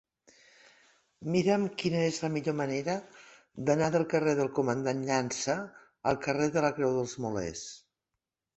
Mira'm quina és la millor manera d'anar del carrer del Comandant Llança al carrer de la Creu dels Molers.